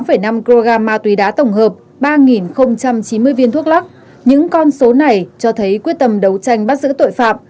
trong một program ma túy đá tổng hợp ba chín mươi viên thuốc lắc những con số này cho thấy quyết tâm đấu tranh bắt giữ tội phạm